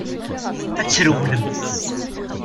Ad trewlem.